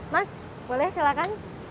mas boleh silakan